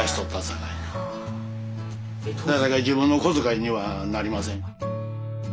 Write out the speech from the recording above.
なかなか自分の小遣いにはなりません。